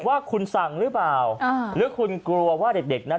ว่าคุณสั่งหรือเปล่าอ่าหรือคุณกลัวว่าเด็กเด็กนั้น